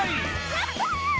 やった！